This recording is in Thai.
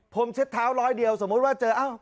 ผมเช็ดเท้าร้อยเดียวสมมุติว่าเจอ